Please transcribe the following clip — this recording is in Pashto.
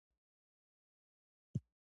د معدې د مکروب لپاره د څه شي پوستکی وکاروم؟